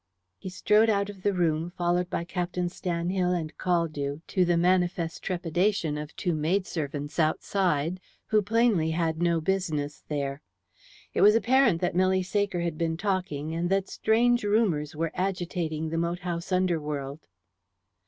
He strode out of the room followed by Captain Stanhill and Caldew, to the manifest trepidation of two maidservants outside, who had plainly no business there. It was apparent that Milly Saker had been talking, and that strange rumours were agitating the moat house underworld.